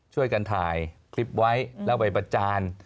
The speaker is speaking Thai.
ช่วยกันถ่ายคลิปไว้แล้วไปประจาน